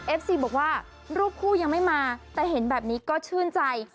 ซีบอกว่ารูปคู่ยังไม่มาแต่เห็นแบบนี้ก็ชื่นใจ